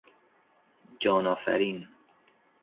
جان آفرین